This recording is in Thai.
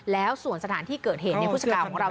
แล้วส่วนสถานที่เกิดเหตุในพุทธคาของเรา